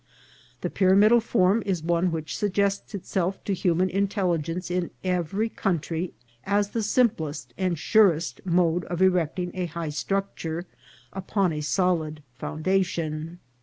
The pyramidal form is one which sug gests itself to human intelligence in every country as the simplest and surest mode of erecting a high structure upon a solid foundation.